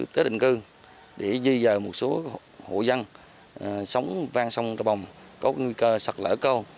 tỉnh cư để di dời một số hộ dân sống ven sông trà bồng có nguy cơ sạt lở câu